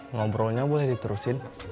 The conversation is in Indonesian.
ngobrolnya boleh diterusin